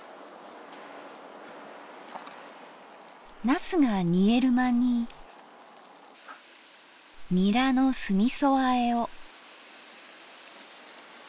なすが煮える間にニラの酢みそあえを。